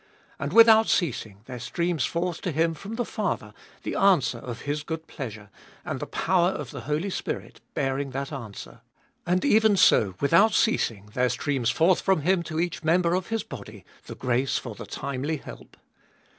And without ceasing there streams forth to Him from the Father the answer of His good pleasure, and the power of the Holy Spirit, bearing that answer. And even so, without ceasing, there streams forth from Him to each member of His body the grace for the timely help.